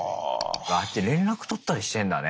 ああやって連絡取ったりしてんだね。